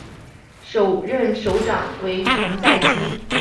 首任首长为成在基。